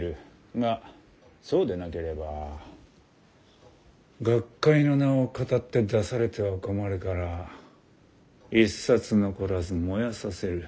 がそうでなければ学会の名をかたって出されては困るから一冊残らず燃やさせる。